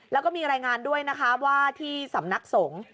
แล้วก็มีรายงานด้วยนะคะว่าที่สำนักสงฆ์